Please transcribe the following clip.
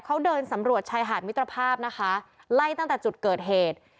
เขาเดินสำรวจชายหาดมิตรภาพนะคะไล่ตั้งแต่จุดเกิดเหตุ